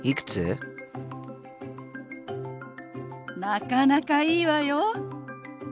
なかなかいいわよ。